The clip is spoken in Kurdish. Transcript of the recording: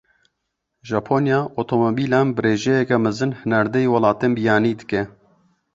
Japonya, otomobîlan bi rêjeyeke mezin hinardeyî welatên biyanî dike.